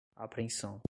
apreensão